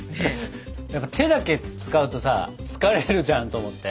やっぱ手だけ使うとさ疲れるじゃんと思って。